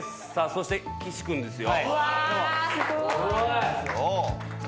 そして岸君ですよ。